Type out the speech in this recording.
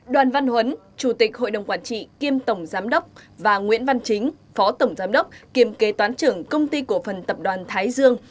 đoàn văn huấn chủ tịch hội đồng quản trị kiêm tổng giám đốc và nguyễn văn chính phó tổng giám đốc kiêm kế toán trưởng công ty cổ phần tập đoàn thái dương